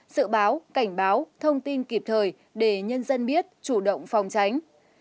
sự báo cảnh báo thông tin kịp thời để nhân dân biết chủ động phòng tránh